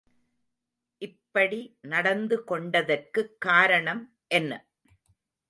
இப்படி நடந்து கொண்டதற்குக் காரணம் என்ன?